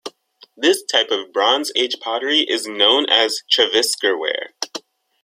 This type of Bronze Age pottery is known as "Trevisker ware".